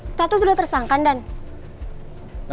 status udah tersangkan dan